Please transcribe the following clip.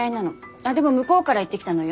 ああでも向こうから言ってきたのよ